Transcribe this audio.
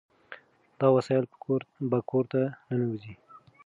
دا وسایل به کور ته ننوځي.